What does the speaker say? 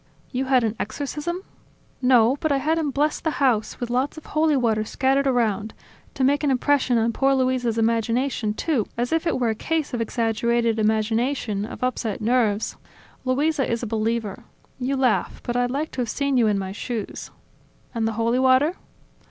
"You had an exorcism?" "No, but I had him bless the house, with lots of holy water scattered around ... to make an impression on poor Luisa's imagination, too, as if it were a case of exaggerated imagination, of upset nerves ... Luisa is a believer. You laugh, but I'd like to have seen you in my shoes." "And the holy water?"